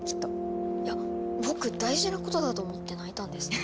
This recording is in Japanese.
いや僕大事なことだと思って泣いたんですけど。